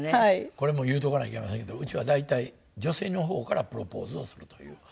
これも言うとかないけませんけどうちは大体女性の方からプロポーズをするという。